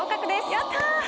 やった。